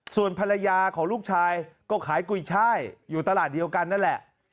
ส่วนภรรยาของลูกชายก็ขายกุยช่ายอยู่ตลาดเดียวกันนั่นแหละ